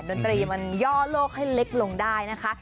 ดนตรีมันย่อโลกให้เล็กลงได้นะคะ